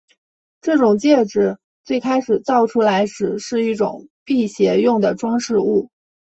这种戒指最开始造出来时是一种辟邪用的装饰物。